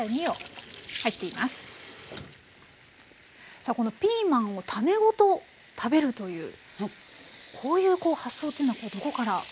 さあこのピーマンを種ごと食べるというこういう発想というのはどこから？